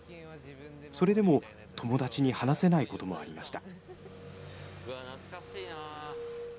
それでも友達に話せないこともありました。